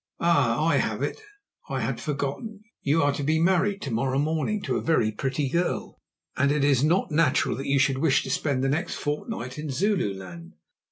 Ah! I have it. I had forgotten. You are to be married to morrow morning to a very pretty girl, and it is not natural that you should wish to spend the next fortnight in Zululand.